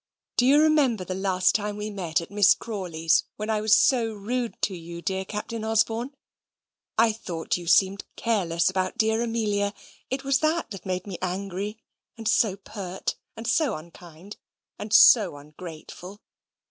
"Do you remember the last time we met at Miss Crawley's, when I was so rude to you, dear Captain Osborne? I thought you seemed careless about dear Amelia. It was that made me angry: and so pert: and so unkind: and so ungrateful.